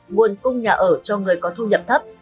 nguồn cung nhà ở cho người có thu nhập thấp